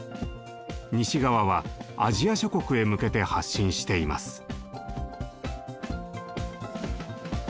西側はアジア諸国へ向けて発信しています。